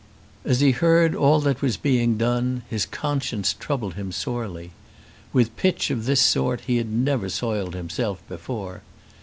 As he heard all that was being done, his conscience troubled him sorely. With pitch of this sort he had never soiled himself before.